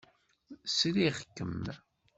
Sriɣ-kem.